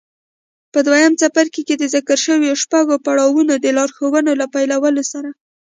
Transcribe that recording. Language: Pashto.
په دويم څپرکي کې د ذکر شويو شپږو پړاوونو د لارښوونو له پيلولو سره.